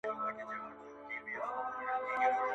د طوطي بڼکي تویي سوې ګنجی سو؛